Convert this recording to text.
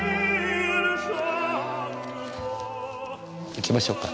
行きましょうか。